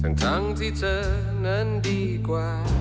ทั้งที่เธอนั้นดีกว่า